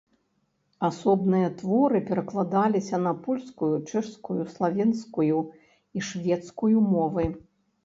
Асобныя творы перакладаліся на польскую, чэшскую, славенскую і шведскую мовы.